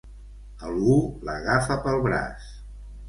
Algú l'agafà pel braç.